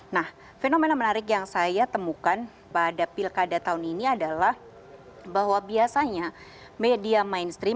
nah fenomena menarik yang saya temukan pada pilkada tahun ini adalah bahwa biasanya media mainstream